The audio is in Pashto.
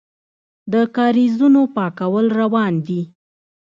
د کاریزونو پاکول روان دي؟